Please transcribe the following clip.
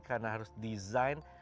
karena harus desain